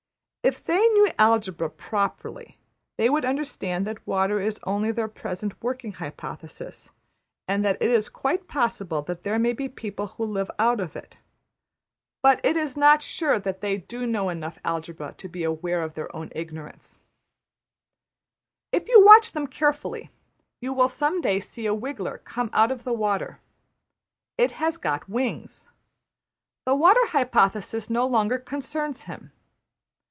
If they knew algebra properly, they would understand that water is only their present working hypothesis, and that it is quite possible there may be people who live out of it. But it is not sure that they do know enough algebra to be \emph{aware of their own ignorance}. If you watch them carefully, you will some day see a wiggler come out of the water. He has got wings. The water hypothesis no longer concerns him.